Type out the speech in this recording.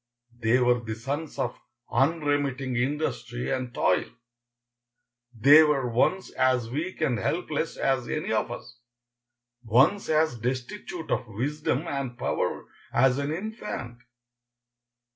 They were the sons of unremitting industry and toil. They were once as weak and helpless as any of us, once as destitute of wisdom and power as an infant.